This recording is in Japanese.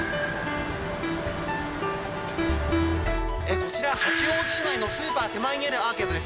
こちら、八王子市内のスーパー手前にあるアーケードです。